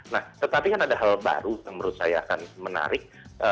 nah tetapi kan ada hal baru yang menurut saya akan menarik